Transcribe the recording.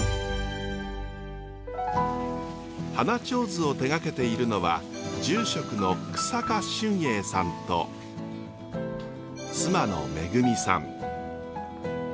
花手水を手がけているのは住職の日下俊英さんと妻の恵さん。